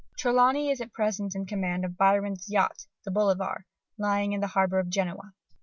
Trelawny is at present in command of Byron's yacht the Bolivar, lying in the harbour of Genoa.